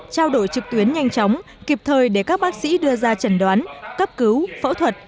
trao đổi trực tuyến nhanh chóng kịp thời để các bác sĩ đưa ra trần đoán cấp cứu phẫu thuật